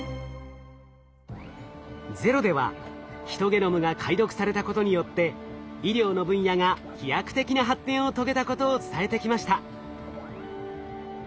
「ＺＥＲＯ」ではヒトゲノムが解読されたことによって医療の分野が飛躍的な発展を遂げたことを伝えてきました。